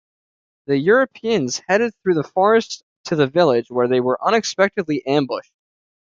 The Europeans headed through the forest to the village, where they were unexpectedly ambushed.